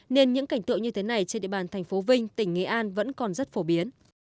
nên những cảnh tượng như thế này trên địa bàn thành phố vinh tỉnh nghệ an vẫn còn rất phổ biến